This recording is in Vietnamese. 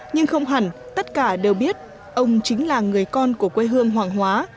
nhưng không hẳn tất cả đều biết ông chính là người con của quê hương hoàng hóa